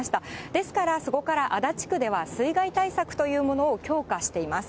ですから、そこから足立区では、水害対策というものを強化しています。